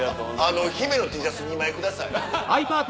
姫のＴシャツ２枚ください。